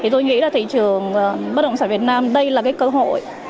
tôi nghĩ là thị trường bất động sản việt nam đây là cơ hội